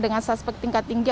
dengan saspek tingkat tinggi